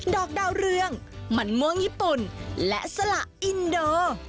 อกดาวเรืองมันม่วงญี่ปุ่นและสละอินโด